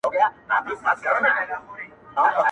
چي په کوڅو کي ګرځي ناولي -